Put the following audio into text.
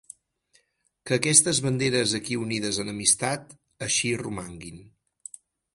Que aquestes banderes aquí unides en amistat, així romanguin.